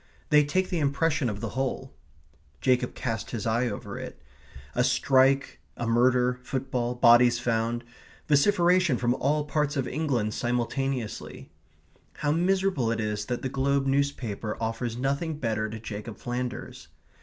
They take the impression of the whole. Jacob cast his eye over it. A strike, a murder, football, bodies found; vociferation from all parts of England simultaneously. How miserable it is that the Globe newspaper offers nothing better to Jacob Flanders!